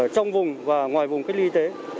trong vùng và ngoài vùng cách ly y tế